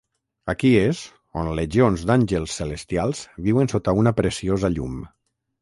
Aquí és on legions d'àngels celestials viuen sota una preciosa llum.